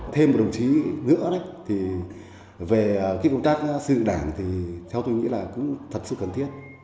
thêm một đồng chí nữa về công tác xây dựng đảng thì theo tôi nghĩ là cũng thật sự cần thiết